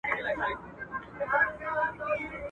چي په برخه به د هر سړي قدرت سو.